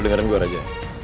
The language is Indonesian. lu dengerin gue aja